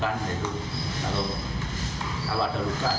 tapi semuanya ingin memukul semuanya ingin mempertahankan